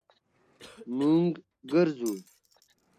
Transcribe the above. مونږ ګرځو